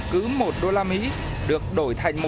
cứ một đô la mỹ được đổi thành